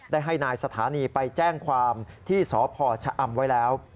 ได้ให้นายสถานีไปแจ้งความที่สพชะอำไว้แล้ว